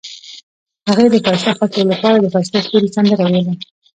هغې د ښایسته خاطرو لپاره د ښایسته ستوري سندره ویله.